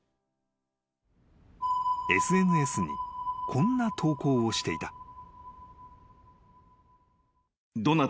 ［ＳＮＳにこんな投稿をしていた］